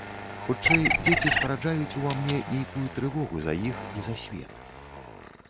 Хутчэй, дзеці спараджаюць у ва мне нейкую трывогу за іх і за свет.